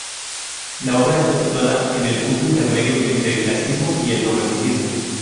La obra está situada en el punto intermedio entre el clasicismo y el romanticismo.